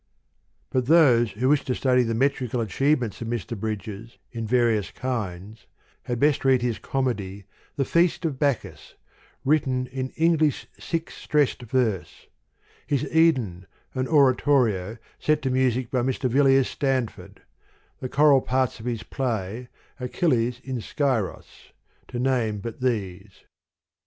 But those, who wish to study the met rical achievements of Mr. Bridges, in va rious kinds, had best read his comedy, The Feast of Bacchus, written in " English six stressed verse "; his Eden, an Oratorio, set to music by Mr. Villiers Stanford ; the choral parts of his play, Achilles in Scyros ; to name but these.